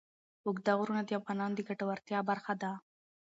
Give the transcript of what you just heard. اوږده غرونه د افغانانو د ګټورتیا برخه ده.